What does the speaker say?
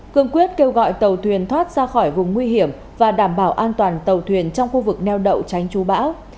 cương quyết kêu gọi tàu thuyền thoát ra khỏi vùng nguy hiểm và đảm bảo an toàn tàu thuyền trong khu vực neo đậu tránh chú bão